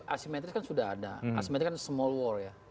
asimetris kan sudah ada asimetris kan small war ya